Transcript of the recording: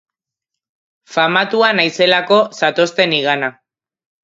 Famatua naizelako zatozte nigana.